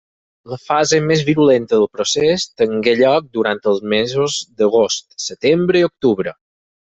La fase més virulenta del procés tingué lloc durant els mesos d'agost, setembre i octubre.